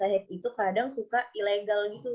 nah kalau jasa hack itu kadang suka ilegal gitu